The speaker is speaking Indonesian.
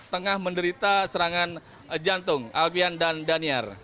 tengah menderita serangan alpian dan danyar